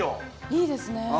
いいですね。